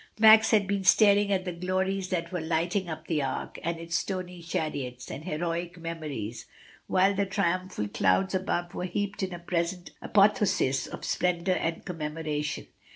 Max had been staring at the glories that were lighting up the Arc, and its stony chariots, and heroic memories, while the triumphal clouds above were heaped in a present apotheosis of splendour and commemoration.